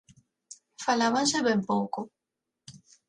Falábanse ben pouco.